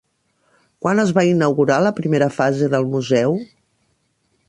Quan es va inaugurar la primera fase del Museu?